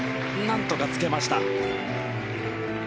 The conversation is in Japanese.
何とかつけました。